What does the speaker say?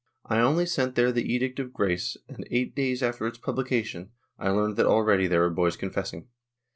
I only sent there the Edict of Grace and, eight days after its publication, I learned that already there were boys confessing.